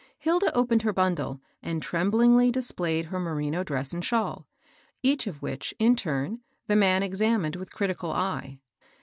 Hilda opened her bundle, and tremblingly displayed her merino dress and shawl ; each of which, in turn, the man examined with critical eye.